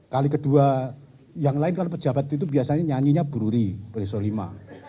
kali kedua yang lain kalau pejabat itu biasanya nyanyinya bururi perisolima